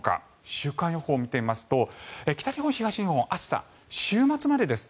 週間予報を見てみますと北日本、東日本は暑さは週末までです。